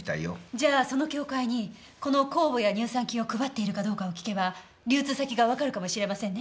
じゃあその協会にこの酵母や乳酸菌を配っているかどうかを聞けば流通先がわかるかもしれませんね。